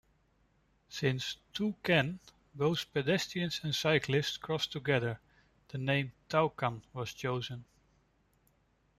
Since "two-can", both pedestrians and cyclists, cross together, the name "toucan" was chosen.